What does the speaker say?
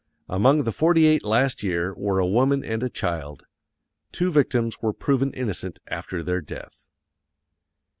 Among the 48 last year were a woman and a child. Two victims were proven innocent after their death.